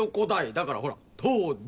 だからほら東大。